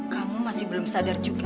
kamu masih belum sadar juga